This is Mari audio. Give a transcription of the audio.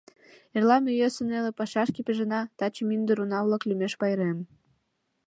Эрла ме йӧсӧ, неле пашашке пижына, таче мӱндыр уна-влак лӱмеш пайрем.